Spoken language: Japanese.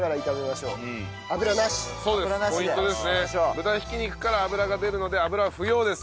豚ひき肉から脂が出るので油は不要です。